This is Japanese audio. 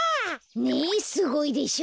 ねえすごいでしょ？